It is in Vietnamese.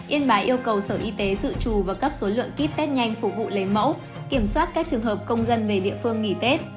yên bái yêu cầu sở y tế dự trù và cấp số lượng kit test nhanh phục vụ lấy mẫu kiểm soát các trường hợp công dân về địa phương nghỉ tết